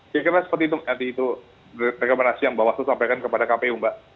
saya kira seperti itu rekomendasi yang bawaslu sampaikan kepada kpu mbak